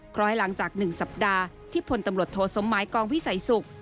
ร้อยหลังจาก๑สัปดาห์ที่พลตำรวจโทสมหมายกองวิสัยศุกร์